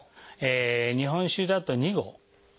日本酒だと２合。